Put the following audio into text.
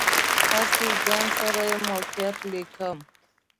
هسې ځان سره یې موقعیت لیکم.